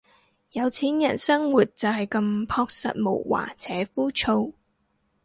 有錢人生活就係咁樸實無華且枯燥